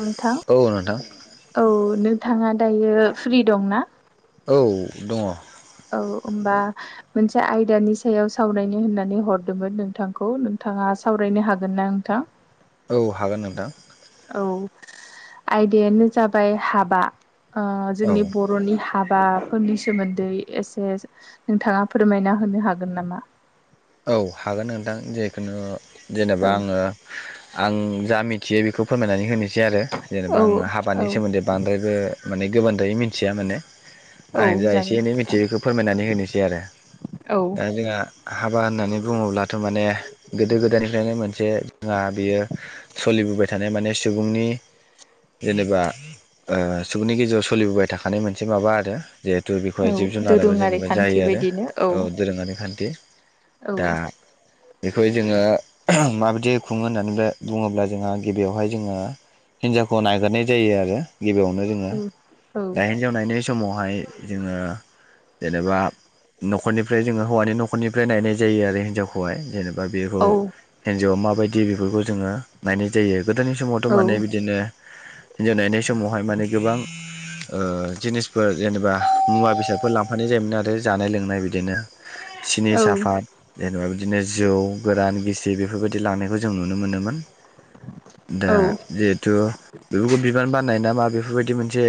नोंथां औ नोंथां औ नोंथाङा दायो फ्रि दंना? औ दङ औ ओमबा मोनसे आयदानि सायाव सावरायनो होननानै हरदोंमोन नोंथांखौ नोंथाङा सावरायनो हागोन ना नोंथां? औ हागोन नोंथां। औ आयदायानो जाबाय हाबा ओ औ जोंनि बर'नि हा बाफोरनि सोमोन्दै एसे नोंथाङा फोरमायना होनो हागोन नामा? औ हागोन नोंथां जिखुनु जेनेबा औ आङो आं जा मिथियो बेखौ फोरमायनानै होनो सै आरो जेनेबा औ आङो हाबानि औ सोमोन्दै बांद्रायबो माने गोबांद्रायै मिथिया माने आं औ जा एसे जागोन एनै मिथियो नोंथां बेखौ फोरमायनानै होनोसै आरो औ दा जोंहा हाबा होननानै बुङोब्लाथ' माने गोदो गोदायनिफ्रायनो मोनसे जोंहा बियो सलिबोबाय था नाय माने सुबुंनि जेनेबा ओ सुबुंनि गेजेराव सोलिबोबाय थाखानाय मोनसे माबा आरो जिहेथु औ बेखौहाय जिब जुनाराबो दोरोङारि जेनेबा खान्थि जायो आरो बायदिनो औ दोरोङारि खान्थि औ बेखौ जोङो माबायदियै खुङो होननानै बुङोब्ला जोंहा गिबियावहाय जोङो हिनजावखौ नायगोरनाय जायो आरो गिबियावनो जोङो औ औ दा हिनजाव नायना य समावहाय जोङो जेनेबा न'खरनिफ्राय जोङो हौवानि न'खरनि फ्राय नायनाय जायो आरो हिनजावखौहाय जेनेबा बेखौ औ हिनजावा मा बायदि बेफोरखौ जोङो नायनाय जायो गोदोनि समावथ' माने बिदिनो हिन्जाव नायनाय समावहाय माने गोबां ओ जिनिसफोर जेनेबा मुवा बेसादफोर लांफानाय जायोमोन आरो जानाय लोंनाय बिदिनो सिनि औ साफाद, जेनेबा बिदिनो जौ गोरान गिसि बेफोरबायदि लांनायखौ जों नुनो मोनोमोन। दा औ जिहेथु बेफोरखौ बिबान बाननाय ना मा बेफोरबायदि मोनसे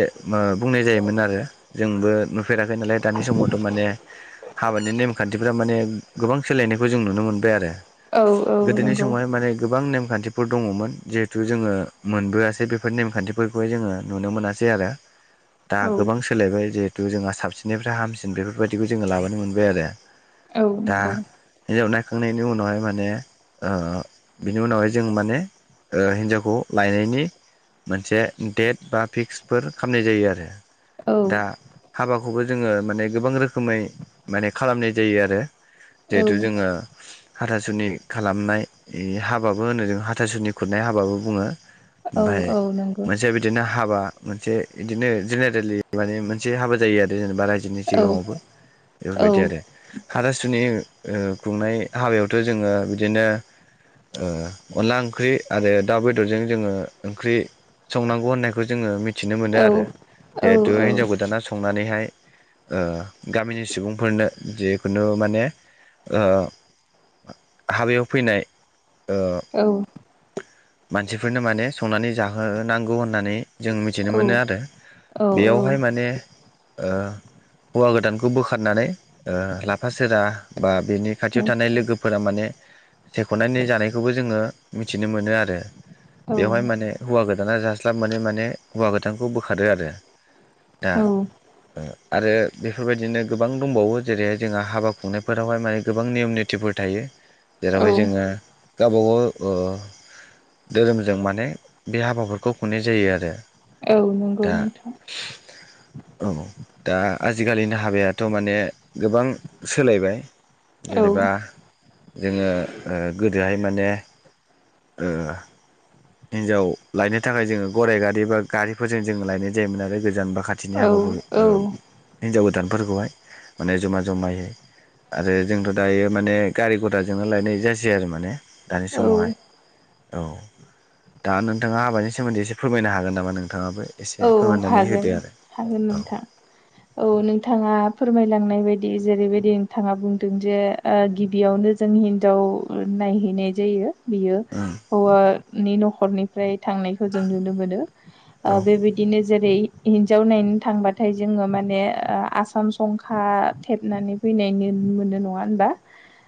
बुंनाय जायोमोन आरो जोंबो नुफेराखै नालाय दानि समाव थ' माने हाबानि नेम खान्थिफ्रा माने गोबां सोलायनायखौ जों नुनो मोनबाय आरो। औ औ गोदोनि नंगौ समावहाय माने गोबां नेम खान्थिफोर दङमोन जिहेतु जोङो मोनबोआसै बेफोर नेमखान्थिफोरखौहाय जोङो नुनो मोनासै आरो। दा औ गोबां सोलायबाय जिहेथु जोंहा साबसिननिफ्राय हामसिन बेफोरबायदिखौ जोङो लाबोनो मोनबाय आरो औ नंगौ। खांनायनि उनावहाय माने ओ बिनि उनावहाय जों माने ओ हिन्जावखौ लायनायनि मोनसे डेट बा फिक्सफोर खामनाय जायो आरो औ दा हाबाखौबो जोङो माने गोबां रोखोमै माने खालामनाय जायो आरो औ जिहेथु जोङो हाथासुनि खालामनाय हाबाबो होनो जों हाथासुनि खुरनाय हाबाबो बुङो। औ ओमफाय औ नंगौ मोनसे बिदिनो हाबा मोनसे इदिनो जेनेरेलि माने मोनसे हाबा जायो आरो जेनेबा रायजो जोंनि औ सिगाङावबो औ बेफोरबायदि आरो हाथासुनि खुंनाय हाबायावथ' जोङो बिदिनो ओ अनला ओंख्रि आरो दाउ बेदरजों जोङो ओंख्रि संनांगौ होननायखौ जोङो मिथिनो मोनो औ आरो औ जिहेथु हिनजाव गोदाना संनानैहाय गामिनि सुबुंफोरनो जि खुनु माने हाबायाव फैनाय ओ औ मानसिफोरनो माने संनानै जाहोनांगौ होननानै जों मिथिनो मोनो आरो बेयावहाय माने हौवा गोदानखौ बोखारनानै ओ थासेरा बा बेनि खाथियाव थानाय लोगोफोरा माने सायख'नानै जानायखौबो जोङो मिथिनो मोनो आरो बेवहाय माने हौवा गोदाना जास्लाब मोनै हौवा गोदानखौ बोखारो आरो दा औ आरो बेफोरबायदिनो गोबां दंबावो जेरैहाय जोंहा हाबा खुंनायफोरावहाय माने गोबां नियम निथिफोर थायो औ जेरावहाय जोङो गावबा गाव धोरोमजों माने बे हाबाफोरखौ खुंनाय जायो आरो औ नंगौ दा नोंथ' औ दा आजिखालिनि हाबायाथ' माने गोबां सोलायबाय औ जेनेबा जोङो गोदोहाय माने हिनजाव लायनो थाखाय जोङो गराइ गारि बा गारिफोरजों जोङो लायनाय जायोमोन आरो गोजान ब्रि साखाथिनि औ हाबाफोर औ हिनजाव गोदानफोरखौहाय माने जमा जमायै आरो जोंथ' दायो माने गारि गघथाजोंनो लायनाय जासै आरो माने दानि औ समावहाय औ दा नोंथाङा हाबानि सोमोन्दै एसे फोरमायनो हागोन नामा नोंथाङाबो एसे औ फोरमायनानै हागोन होदो आरो हागोन औ नोंथां औ नोंथाङा फोरमायलांनाय बायदि बिदि जेरैबायदि नोंथाङा बुंदों जे गिबियावनो जों हिनजाव नायहैनाय जायो बियो हौवानि न'खरनिफ्राय थांनायखौ जों नुनो मोनो ओम औ बेबायदिनो जेरै हिन्जाव थांबाथाय जोङो माने आसाम संखा थेबनानै फैनाय मोनो नङा होनबा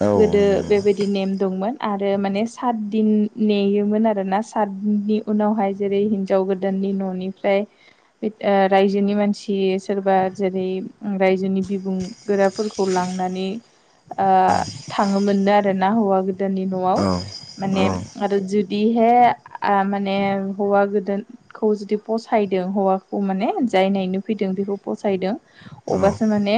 औ गोदो नंगौ बेबायदि नेम दंमोन आरो माने सात दिन नेयोमोन आरोना सात दिननि उनावहाय जेरै हिनजाव गोदान न'नि रायजोनि मानसि सोरबा जेरै रायजोनि बिबुं ल नंगौ थ आरो ना हौ गोदोनि न'आव औ माने औ आरो जुदिहे माने हौवा गोदोखौ जुदि फसायदों हौवाखौ माने जाय नायनो फैदों बेखौ फसायदों औ अब्लाासो माने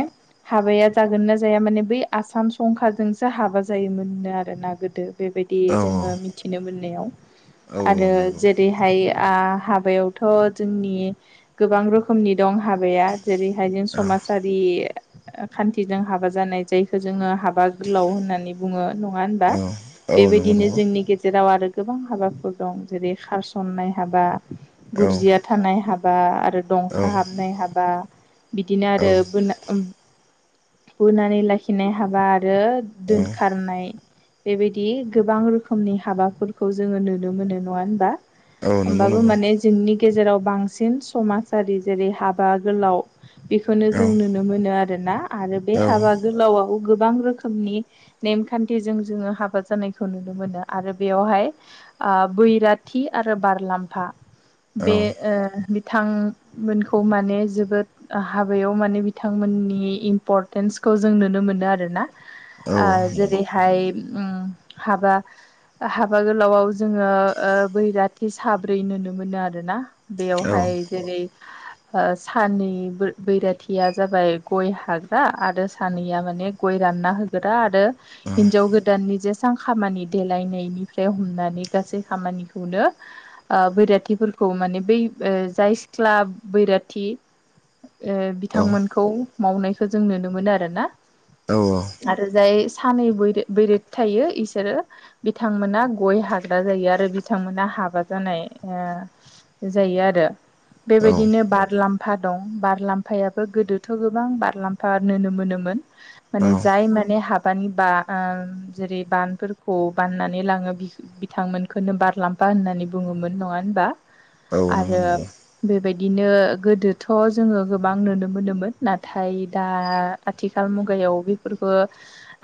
हाबाया जागोन ना जाया माने बै आसाम संखाराजोंसो हाबा जायोमोननो आरोोना गोदो बेबायदि बिदि औ जोङो मिथिनो मोननायाव औ औ आरो नंगौ जेरैहाय हाबायाव थ' जोंनि गोबां रोखोमनि दं हाबाया जेरैहाय जों औ समाजारि खान्थिजों हाबा जानाय जायखौ जोङो हाबा गोलाव होननानै बुङो नङा होनबा औ औ नंगौ बेबायदिनो नंगौ जोंनि गेजेराव आरो गोबां हाबाफोर दं जेरै खारसननाय हाबा औ गुरजिया थानाय हाबा आरो औ दंखा हाबनाय हाबा बिदिनो औ आरो बुनानै लाखिनाय हाबा आरो औ दोनखारनाय बेबायदि गोबां रोखोमनि हाबाफोरखौ जोङो नुनो मोनो नङा होनबा औ नंगौ होमबाबो नंगौ माने जोंनि गेजेराव बांसिन समाजारि जेरै हाबा गोलाव बेखौनो औ जों नुनो मोनो आरोोना आरो बे औ हाबा गोलावाव गोबां रोखोमनि नेमखान्थिजों जोङो हाबा जानायखौ नुनो मोनो आरो बेयावहाय बैराथि आरो बारलाम्फा बे बिथांमोनखौ माने जोबोद हाबायाव माने बिथांमोननि इम्परटेन्स खौ जों नुनो मोनो आरोना जेरैहाय हाबा हाबा गोलावाव जोङो ओ बैराथि साब्रै नुनो मोनो। नुदोना बेयावहाय औ जेरै। ओ सानि बैराथिया जाबाय गय हाग्रा आरो सानैया माने गय रान। रानना होग्रा आरो औ हिनजाव गोदाननि जेसां खामानि देलायनायनिफ्राय हमनानै गासै। जै खामानिखौनो ओ बैराथिफोर। औ माने बै जाय सिख्ला बैराथि। ओ औ बिथांमोनखौ मावनायखौ जों नुनो मोनो आरो ना। नंगौ औ आरो जाय सानैर बैराथि थायो इसोरो बिथांमोना गय हाग। जायो आरो बिथांमोना हाबा जानाय ओ। जायो आरो औ बेबायदिनो बारलाम। फा दं बारलाम्फायाबो गोदोथ' गोबां बारलाम्फा नुनो मोनोमोन। माने जाय माने हाब।। मानो होनबा जेरै बानफोरखौ बाननानै लाङो बिथांमोनखौनो बारलांफा। होननानै बुङोमोन नङा होनबा? औ नंगौ नंगौ। बिदिनो गोदोथ' जोङो गोबां नुनो मोनोमोन नाथाय दा आथिखाल मुग। मुगायाव बेफोरखो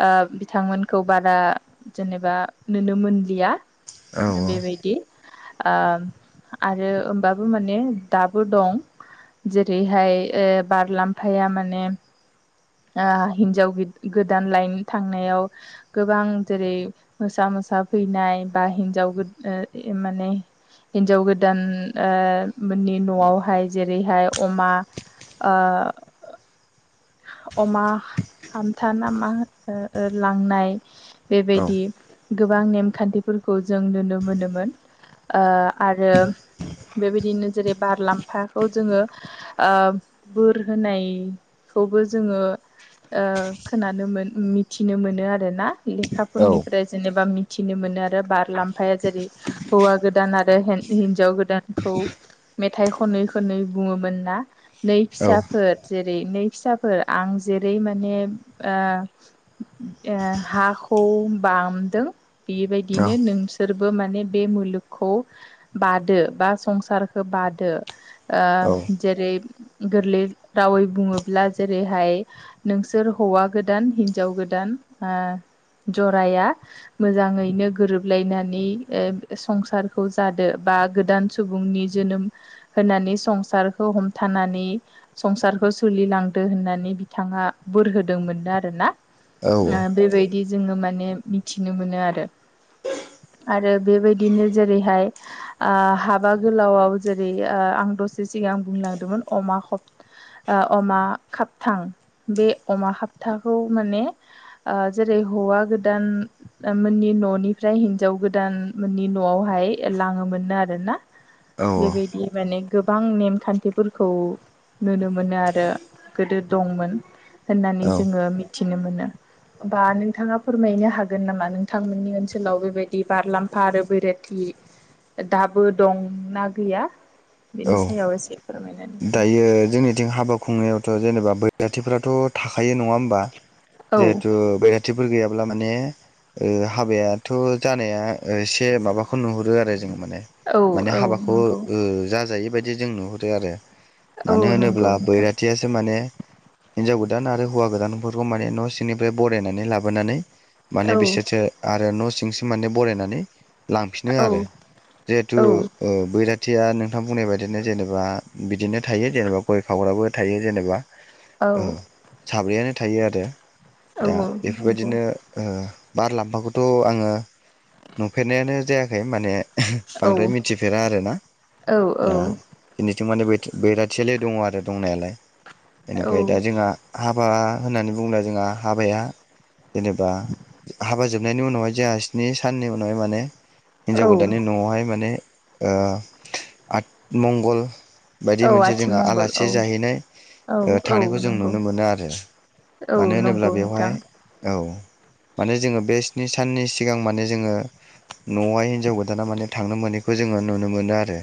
ओ बिथांमोनखौ बारा जेनेबा नुनो मोनलि। आ बेबायदि ओ। आरो होमबाबो माने दाबो दं। जेरैहाय ओ बारलाम्फाया माने। ओ हिनजाव गोदान लायनो थांनायाव गोबां जेरै मोसा मोसा। [unintelligible] फैनाय बा हिनजाव ओ माने। हिनजाव गोदान ओ मोननि न'आवहाय जेरैहाय अमा। ओ। अमा हामथानामा ओ लांनाय। औ बेबायदि। गोबां नेमखान्थिफोरखौ जों नुनो मोनोमोन ओ आरो। बेबायदिनो जेरै बारलामफाखौ जोङो ओ बोर होनाय। खौबो जोङो ओ खोनानो मोन मिथिनो मोनो आरोना। औ लेखाफोरनिफ्राय जेनेबामिद। मिथिनो मोनो आरो बारलाम्फाया जेरै हौवा गोदान आरो हेन हिनजाव गोदानखौ। मेथाइ खनै खनै बुङोमोन ना नै फिसाफोर जेरै नै फिसा। फोर आं जेरै माने ओ। ओ हाखौ बामदों बेबायदिनो नोंसोरबो माने बे। मुलुगखौ बादो बा संसारखौ बादो। ओ दायो जेरै गोरलै रावै बुङोब्ला। जेरैहाय नोंसोर हौवा गोदान हिन्जाव गोदान ओ। जरायआ मोजाङैनो गोरोबलायनानै ओ संसारखौ जादो। ओ गोदान सुबुंनि जोनोम होनानै संसारखौ हमथानानै संसारफोरा। सुलिलांदो होननानै बिथाङा बोर होदोंमोन आरो ना ओ बेबादि। बि जोङो माने मिथिनो मोनो आरो। आरो बेबायदिनो जेरैहाय ओ हाबा गोलावाव जेरै ओ आं दसे सिं। आं बुंनोनागिरदोंमोन अमा खब ओ अमा। खाबथां बे अमा खाबथाखौ माने ओ जेरै हौवा गोदान। मोननि न'निफ्राय हिनजाव गोदान मोननि न'आवहाय लाङोमोननो आरो ना। बेबायदि माने गोबां नेमखान्थिफोरखौ नुनो मोनो आरो। गोदो दंमोन होननानै जोङो मिथिनो मोनो। बा नोंथाङा फोरमायनो हागोन नामा? नोंथांमोननि ओनसोलाव बेबायदि बारलाम्फा आरो बैरोथि। [unintelligible] दाबो दंना गैया बेनि सायाव एसे फोरमायनो। दायो जोंनिथिं हाबा खुंनायावथ' जेनेबा बैराथिफ्राथ' थाखायो नङा होमबा। औ जिहेथु बैराथिफोर गैयाब्ला माने ओ हाबायाथ' जानाया एसे माबाखौ नुहुरो आरो जों माने औ माने औ हाबाखौ नंगौ जाजायि बायदि जों नुहरो आरो औ मानो नंगौ होनोब्ला नोंथां बैराथियासो माने हिनजाव गोदान आरो हौवा गोदानफोरखौ माने न' सिंनिफ्राय बरायनानै लाबोनानै माने औ बिसोरसो आरो न' सिंसिं माने बरायनानै लांफिनो आरो औ जिहेथु औ ओ बैराथिया नोंथां बुंनाय बायदिनो जेनेबा। बिदिनो थायो जेनेबा गय खावग्राबो थायो जेनेबा। औ ओ साब्रैयानो थायो आरो औ दा नंगौ बेफोरबायदिनो ओ बारलांफाखौथ' आङो नुफेरनायानो जायाखै माने हि औ बांद्राय मिथिफेरा आरोना औ औ दा [unintelligible] माने बैराथियालाय दङ आरो दंनायालाय औ बेनिफ्राय दा जोंहा हाबा होननानै बुङो जोंहा हाबाया जेनेबा हाबाजोब नायनि उनावहाय जोंहा स्नि साननि उनावहाय माने हिन्जाव औ गोदानानि न'आवहाय माने ओ आठ मंगल बायदि औ मोनसे जोंहा आथिमंगल आलासि औ जाहैनाय औ औ थानायखौ जों नंगौ नुनो मोनो आरो। औ मानो होनोब्ला नंगौ बेवहाय नोंथां औ माने जोङो बे स्नि साननि सिगां माने जोङो न'आवहाय हिनजाव गोदाना माने थांनो मोनो खौ जोङो नुनो मोनो आरो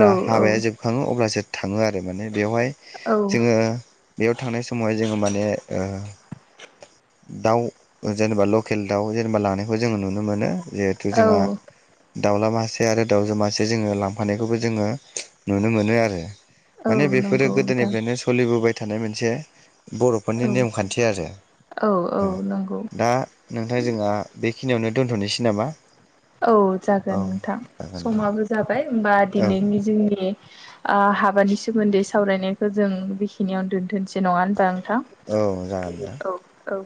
औ औ हाबाया जोबखाङो अब्लासो थाङो आरो माने बेवहाय औ जोङो बेयाव थांनाय समावहाय जोङो माने दाउ जेनेबा लकेल दाउ जेनेबा लानायखौ जोङो नुनो मोनो। जिहेथु औ जोंहा दाउला मासे आरो दावजो मासे जोङो लांफानायखौबो जोङो नुनो मोनो आरो औ माने बेफोरो नंगौ नोंथां गोदोनिफ्रायनो सोलिबोबाय थानाय मोनसे औ बर'फोरनि नेम खान्थि आरो। औ औ नंगौ दा नोंथां जोंहा बेखिनियावनो दोन्थ'नोसै नामा? औ औ जागोन नोंथां जागोन दे समाबो जाबाय होमबा औ दिनैनि जोंनि। ओ हाबानि सोमोन्दै सावरायनायखौ जों बेखिनियावनो दोनथ'सै नङा होनबा आ औ जागोन दे औ औ।